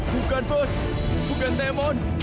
bukan bos bukan demon